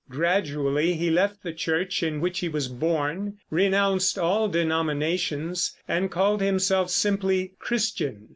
Gradually he left the church in which he was born, renounced all denominations, and called himself simply Christian.